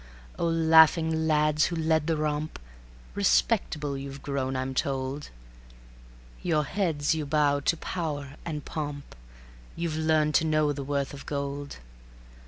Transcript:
O laughing lads who led the romp, Respectable you've grown, I'm told; Your heads you bow to power and pomp, You've learned to know the worth of gold.